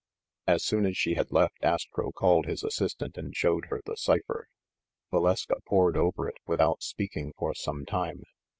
As soon as she had left, Astro called his assistant and showed her the cipher. Valeska pored over it without speaking for some time.